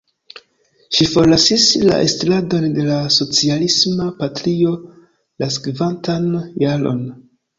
Ŝi forlasis la estradon de la Socialisma Partio la sekvantan jaron.